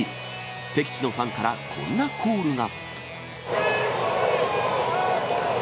敵地のファンからこんなコールが。